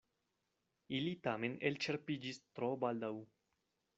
Ili tamen elĉerpiĝis tro baldaŭ.